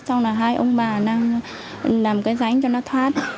xong là hai ông bà đang làm cái rãnh cho nó thoát